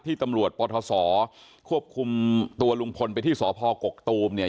ตำรวจปทศควบคุมตัวลุงพลไปที่สพกกตูมเนี่ย